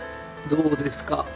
どうですか？